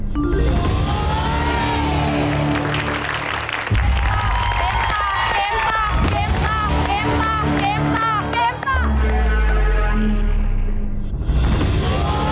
เกมต่อเกมต่อ